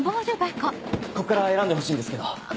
ここから選んでほしいんですけど。